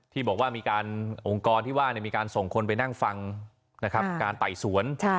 ที่อุงกรที่ว่ามีการส่งคนไปนั่งฟังการไต่สวน